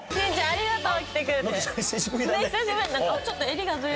ありがとう。